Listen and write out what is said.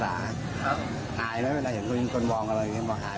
หากรรษาหายไหมไม่เป็นไรเหมือนคนวองอะไรอย่างนี้หายไหม